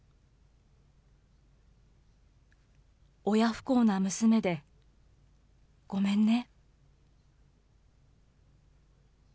親不孝な娘で、ごめんね。